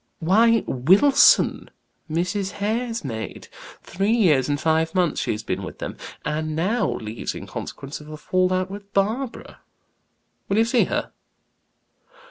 "Why, Wilson, Mrs. Hare's maid. Three years and five months she has been with them, and now leaves in consequence of a fall out with Barbara. Will you see her?"